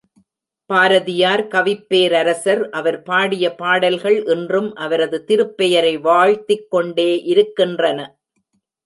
பாரதியார் கவிப்பேரரசர் அவர் பாடிய பாடல்கள் இன்றும் அவரது திருப்பெயரை வாழ்த்திக் கொண்டே இருக்கின்றன.